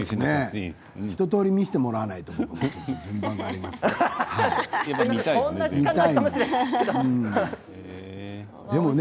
一とおり見せてもらわないとね。